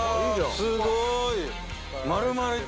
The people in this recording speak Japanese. すごい。